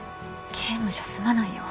ゲームじゃ済まないよ。